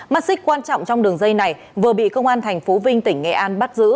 mắt xích quan trọng trong đường dây này vừa bị công an tp vinh tỉnh nghệ an bắt giữ